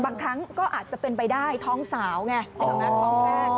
บางครั้งก็อาจจะเป็นไปได้ท้องสาวเนี่ย